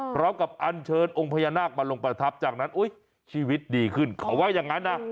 พร้อมกับอันเชิญองค์พญานาคมาลงประทับจากนั้นชีวิตดีขึ้นเขาว่าอย่างนั้นนะ